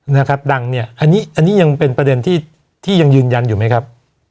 นะครับดังเนี่ยอันนี้อันนี้ยังเป็นประเด็นที่ที่ยังยืนยันอยู่ไหมครับ